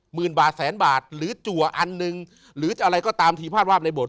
หมื่นบาทแสนบาทหรือจัวอันหนึ่งหรือจะอะไรก็ตามทีพลาดวาบในบท